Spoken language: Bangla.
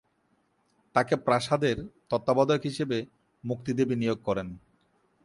তাকে প্রাসাদের তত্ত্বাবধায়ক হিসাবে মুক্তি দেবী নিয়োগ করেন।